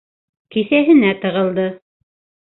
Кеҫәһенә тығылды.